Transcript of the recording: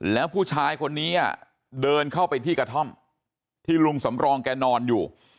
แล้วผู้ชายคนนี้เดินเข้าไปที่กระท่อมที่ลุงสำรองแกนอนอยู่